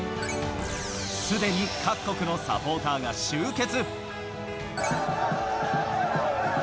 すでに各国のサポーターが集結。